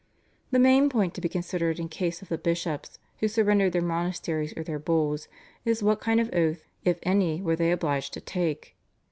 The main point to be considered in case of the bishops who surrendered their monasteries or their Bulls is what kind of oath, if any, were they obliged to take.